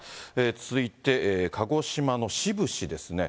続いて、鹿児島の志布志ですね。